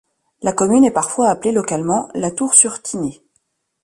La commune est parfois appelée localement La Tour-sur-Tinée.